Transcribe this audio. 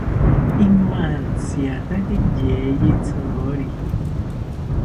Imantsiataki yeyithori